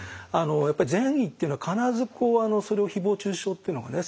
やっぱり善意っていうのは必ずそれを誹謗中傷ってのがね